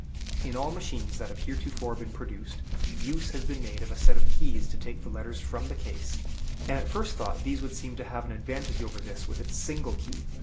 In all machines that have heretofore been produced, use has been made of a set of keys to take the letters from the case; and at first thought these would seem to have an advantage over this with its single key.